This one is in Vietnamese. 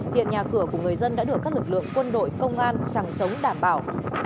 hiện nhà cửa của người dân đã được các lực lượng quân đội công an chẳng chống đảm bảo